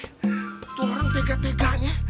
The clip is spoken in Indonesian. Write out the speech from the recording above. itu orang tega teganya